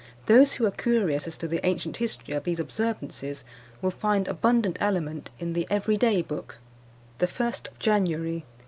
Those who are curious as to the ancient history of these observances, will find abundant aliment in the Every day Book. "_The 1st of January.